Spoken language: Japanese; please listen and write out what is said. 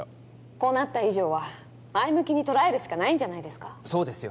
こうなった以上は前向きに捉えるしかないんじゃないですかそうですよ